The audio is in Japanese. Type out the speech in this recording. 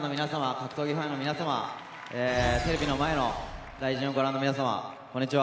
格闘技ファンの皆様テレビの前のＲＩＺＩＮをご覧の皆様こんにちは。